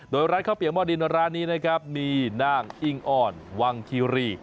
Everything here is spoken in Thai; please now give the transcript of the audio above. โดยร้านข้าวเปียกหม้อดินร้านนี้นะครับมีนางอิงอ่อนวังคีรี